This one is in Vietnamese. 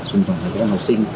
cùng tổng thống các em học sinh